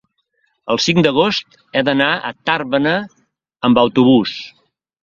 El cinc d'agost he d'anar a Tàrbena amb autobús.